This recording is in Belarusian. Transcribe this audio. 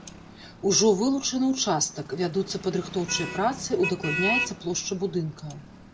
Ужо вылучаны ўчастак, вядуцца падрыхтоўчыя працы, удакладняецца плошча будынка.